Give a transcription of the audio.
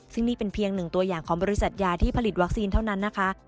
ซึ่งนี่เป็นเพียงหนึ่งตัวอย่างของบริษัทยาที่ผลิตวัคซีนเท่านั้นนะคะ